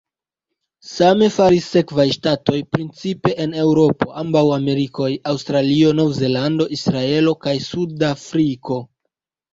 Same faris sekvaj ŝtatoj, principe en Eŭropo, ambaŭ Amerikoj, Aŭstralio, Nov-Zelando, Israelo kaj Sud-Afriko.